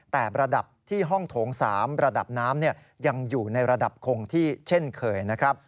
แต่ระดับที่ห้องโถง๓ระดับน้ำยังอยู่ในระดับคงที่เช่นเคยนะครับ